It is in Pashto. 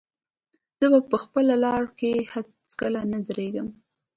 زه به په خپله لاره کې هېڅکله نه درېږم.